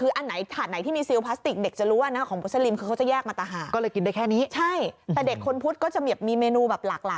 เอาอย่างนี้พี่คุณผู้ชมลองเพิ่มเสียงดูดีกว่าค่ะ